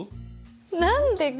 何でか？